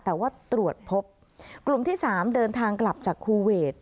แต่ว่าตรวจพบกลุ่มที่๓เดินทางกลับจากคูเวท